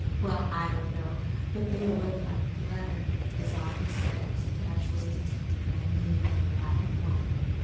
'Well, I don't know but they would like a letter,' was all he said, casually. I knew then that I had won."